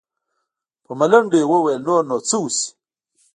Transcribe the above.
په ملنډو يې وويل نور نو څه وسي.